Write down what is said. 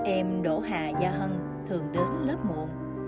em đỗ hà gia hân thường đến lớp muộn